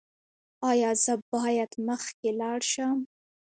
ایا زه باید مخکې لاړ شم؟